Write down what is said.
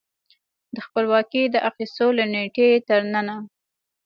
د خپلواکۍ د اخیستو له نېټې تر ننه